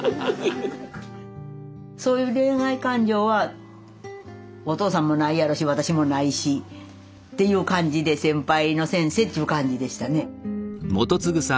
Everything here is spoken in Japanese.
そういう恋愛感情はお父さんもないやろうし私もないしっていう感じで先輩の先生っていう感じでしたね。